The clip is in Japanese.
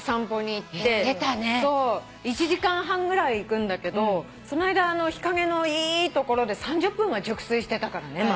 １時間半ぐらい行くんだけどその間日陰のいい所で３０分は熟睡してたからね豆。